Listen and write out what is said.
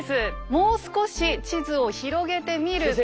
もう少し地図を広げてみると。